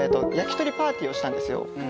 焼き鳥パーティーをしたんですよ